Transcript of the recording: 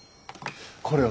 これは。